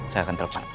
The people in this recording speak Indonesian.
saya akan terima